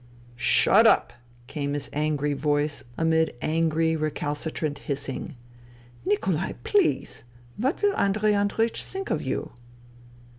" Shut up !" came his angry voice amid angry, recalcitrant hissing. " Nikolai ! Please ! What will Andrei Andreiech think of you